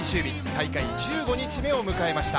大会１５日目を迎えました。